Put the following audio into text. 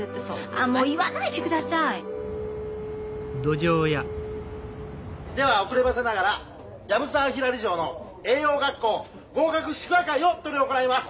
あもう言わないでください！では遅ればせながら藪沢ひらり嬢の栄養学校合格祝賀会を執り行います。